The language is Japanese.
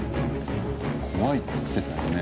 怖いって言ってたよね。